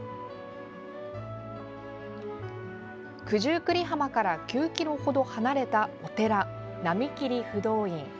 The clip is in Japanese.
九十九里浜から９ｋｍ程離れたお寺、浪切不動院。